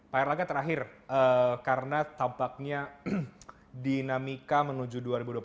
pak erlangga terakhir karena tampaknya dinamika menuju dua ribu dua puluh empat